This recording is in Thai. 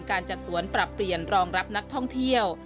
การจัดสวนปรับเปลี่ยนรองรับนักท่องเที่ยว